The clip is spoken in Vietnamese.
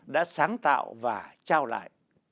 đã sáng tạo và trao lại